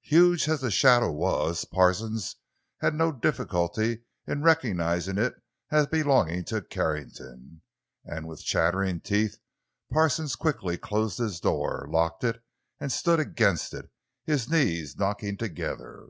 Huge as the shadow was, Parsons had no difficulty in recognizing it as belonging to Carrington; and with chattering teeth Parsons quickly closed his door, locked it, and stood against it, his knees knocking together.